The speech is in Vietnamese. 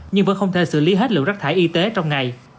nhưng vẫn không thể xử lý hết lượng rác thải y tế trong ngày